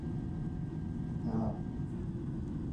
就有時間翻來陪我睇大長今